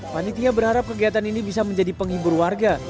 panitia berharap kegiatan ini bisa menjadi penghibur warga